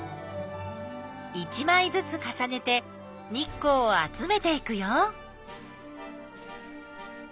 １まいずつかさねて日光を集めていくよ。